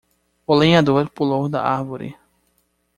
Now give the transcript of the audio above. O lenhador pulou da árvore.